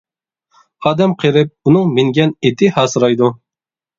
ئادەم قېرىپ، ئۇنىڭ مىنگەن ئېتى ھاسىرايدۇ.